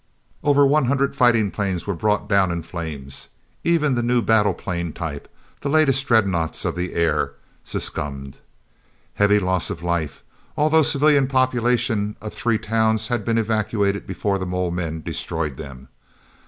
Over one hundred fighting planes were brought down in flames. Even the new battle plane type, the latest dreadnoughts of the air, succumbed. "Heavy loss of life, although civilian population of three towns had been evacuated before the mole men destroyed them.